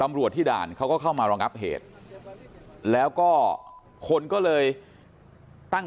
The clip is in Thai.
มีกล้วยติดอยู่ใต้ท้องเดี๋ยวพี่ขอบคุณ